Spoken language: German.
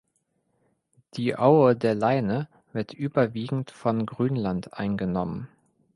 Die Aue der Leine wird überwiegend von Grünland eingenommen.